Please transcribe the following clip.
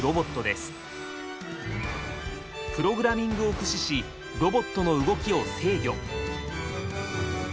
プログラミングを駆使しロボットの動きを制御。